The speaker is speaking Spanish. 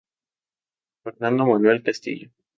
Fernando Manuel Castillo.